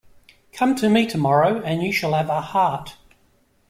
Come to me tomorrow and you shall have a heart.